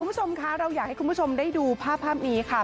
คุณผู้ชมคะเราอยากให้คุณผู้ชมได้ดูภาพนี้ค่ะ